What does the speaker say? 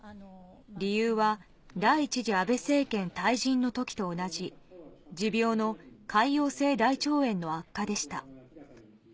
理由は、第１次安倍政権退陣のときと同じ、持病の潰瘍性大腸炎の悪化でした。